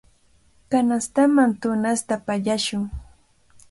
Kanastaman tunasta pallashun.